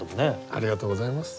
ありがとうございます。